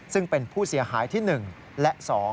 ซึ่งเป็นผู้เสียหายที่๑และ๒